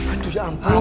aduh ya ampun